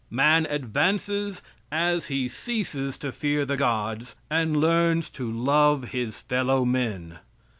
Man advances as he ceases to fear the gods and learns to love his fellow men.